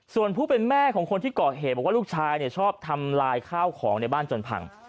ส่วนผู้เป็นแม่ของคนที่ก่อเหตุบอกว่าลูกชายชอบทำลายข้าวของในบ้านจนพัง